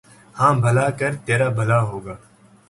ہاں بھلا کر ترا بھلا ہوگا